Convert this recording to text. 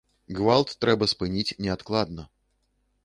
Гвалт трэба спыніць неадкладна!